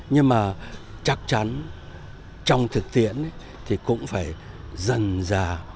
nhưng mà chắc chắn trong thực tiễn thì cũng phải dần dà